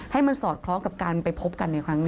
ให้มันสอดคล้องกับการไปพบกันในครั้งนี้